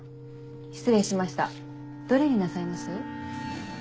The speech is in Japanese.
失礼しましたどれになさいます？